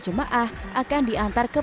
jemaah akan diantar ke